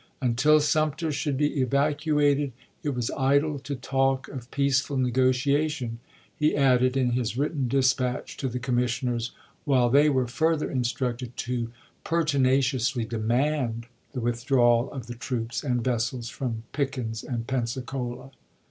Until Sumter should arks. be evacuated it was idle to talk of peaceful negotia tion, he added in his written dispatch to the com missioners, while they were further instructed to " pertinaciously demand " the withdrawal of the iwd., Mar. troops and vessels from Pickens and Pensacola.